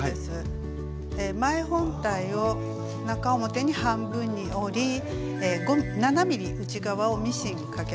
前本体を中表に半分に折り７ｍｍ内側をミシンかけます。